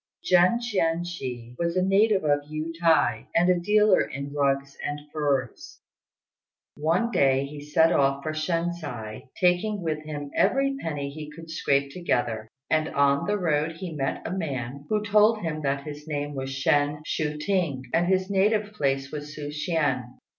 Jen Chien chih was a native of Yü t'ai, and a dealer in rugs and furs. One day he set off for Shensi, taking with him every penny he could scrape together; and on the road he met a man who told him that his name was Shên Chu t'ing, and his native place Su ch'ien.